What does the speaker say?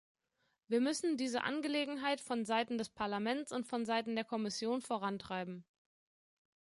Wir müssen diese Angelegenheit von seiten des Parlaments und von seiten der Kommission vorantreiben.